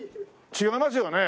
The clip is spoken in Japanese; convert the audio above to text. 違いますよね？